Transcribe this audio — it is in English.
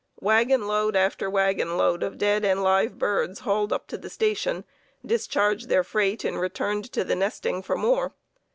Wagon load after wagon load of dead and live birds hauled up to the station, discharged their freight, and returned to the nesting for more.